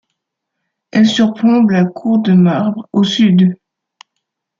Elle surplombe la cour de Marbre, au sud.